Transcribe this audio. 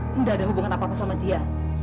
tidak ada hubungan apa apa sama dia